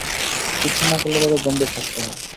ইচ্ছে না-করলেও তাঁদের গম্ভীর থাকতে হয়।